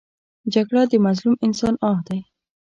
جګړه د مظلوم انسان آه دی